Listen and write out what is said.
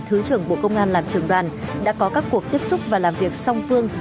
thứ trưởng bộ công an làm trưởng đoàn đã có các cuộc tiếp xúc và làm việc song phương